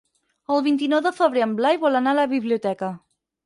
El vint-i-nou de febrer en Blai vol anar a la biblioteca.